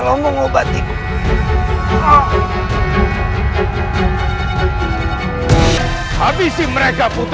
orang yang kau kah husband